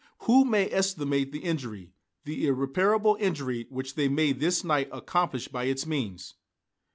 Who may estimate the injury, the irreparable injury which they may this night accomplish by its means!"